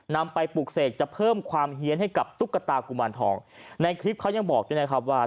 นำไปปลูกเสกจะเพิ่มความเฮียนให้กับตุ๊กตากุมารทองในคลิปเขายังบอกด้วยนะครับว่า